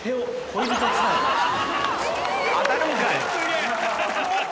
当たるんかい。